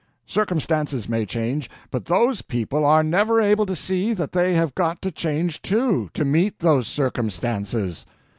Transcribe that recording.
Circumstances may change, but those people are never able to see that they have got to change too, to meet those circumstances.